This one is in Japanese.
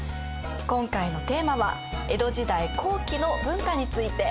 今回のテーマは「江戸時代後期の文化」について。